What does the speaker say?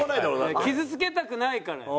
傷つけたくないからよ。